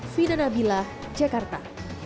fida nabilah jakarta